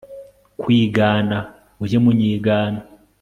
KWIGANA Mujye munyigana